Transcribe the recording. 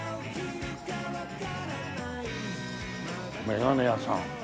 眼鏡屋さん。